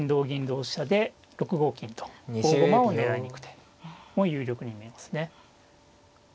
同飛車で６五金と大駒を狙いに行く手も有力に見えますね。